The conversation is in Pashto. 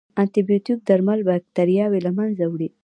انټيبیوټیک درمل باکتریاوې له منځه وړي.